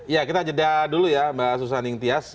ya kita jeda dulu ya mbak susaning tias